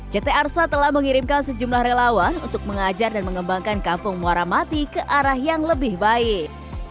ct arsa telah mengirimkan sejumlah relawan untuk mengajar dan mengembangkan kampung muara mati ke arah yang lebih baik